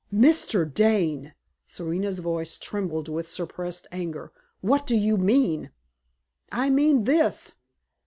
"Mr. Dane!" Serena's voice trembled with suppressed anger. "What do you mean?" "I mean this!"